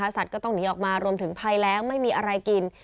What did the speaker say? สัตว์ก็ต้องหนีออกมารวมถึงภัยแรงไม่มีอะไรกิน